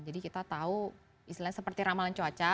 jadi kita tahu istilahnya seperti ramalan cuaca